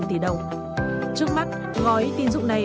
trước mắt gói tín dụng này